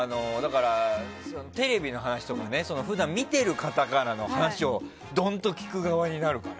テレビの話とかも普段見てる方からの話を、どんと聞く側になるから。